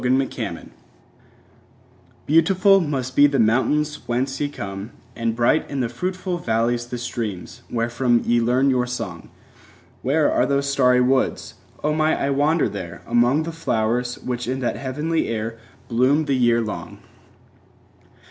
Nightingales BEAUTIFUL must be the mountains whence ye come, And bright in the fruitful valleys the streams, wherefrom Ye learn your song: Where are those starry woods? O might I wander there, Among the flowers, which in that heavenly air 5 Bloom the year long!